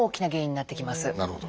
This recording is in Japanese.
なるほど。